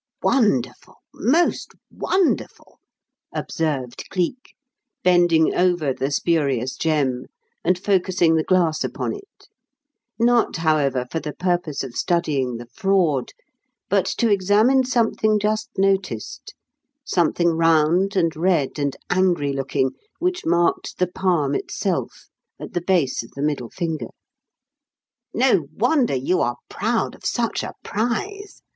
"Wonderful, most wonderful!" observed Cleek, bending over the spurious gem and focussing the glass upon it; not, however, for the purpose of studying the fraud, but to examine something just noticed something round and red and angry looking which marked the palm itself, at the base of the middle finger. "No wonder you are proud of such a prize.